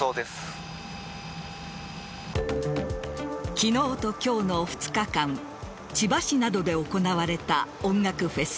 昨日と今日の２日間千葉市などで行われた音楽フェス